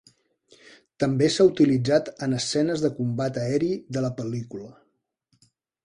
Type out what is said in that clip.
També s'ha utilitzat en escenes de combat aeri de la pel·lícula.